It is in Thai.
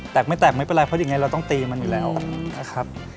ไม่แตกไม่เป็นไรเพราะยังไงเราต้องตีมันอยู่แล้วนะครับ